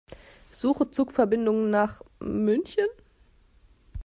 Suche Zugverbindungen nach München.